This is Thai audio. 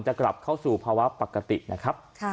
จะกลับเข้าสู่ภาวะปกตินะครับ